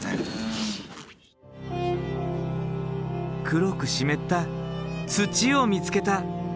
黒く湿った土を見つけた。